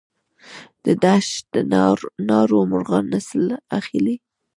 د دشت ناور مرغان نسل اخلي؟